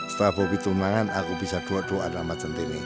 setelah bobby turun mangan aku bisa doa doa sama centini